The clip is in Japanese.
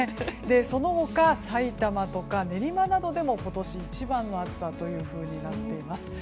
その他埼玉とか練馬などでも今年一番の暑さとなっています。